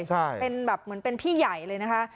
ใช่เป็นแบบเหมือนเป็นพี่ใหญ่เลยนะคะ